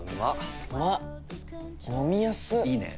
いいね。